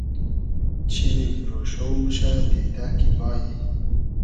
چیمیم رۉشۉ موشۂ دیدۂ کی بایی